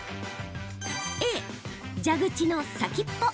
Ａ・蛇口の先っぽ。